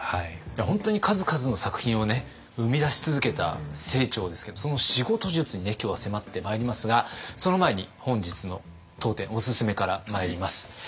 本当に数々の作品をね生み出し続けた清張ですけどその仕事術に今日は迫ってまいりますがその前に本日の当店オススメからまいります。